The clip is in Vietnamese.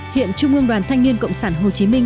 hiện trung ương đoàn thanh niên cộng sản hồ chí minh